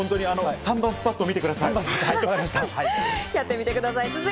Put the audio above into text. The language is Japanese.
３番スパットを見てください。